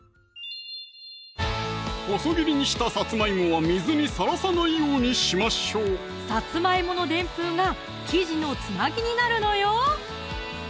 細切りにしたさつまいもは水にさらさないようにしましょうさつまいものでんぷんが生地のつなぎになるのよ